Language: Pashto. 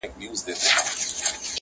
و دښمن ته معلوم شوی زموږ زور وو-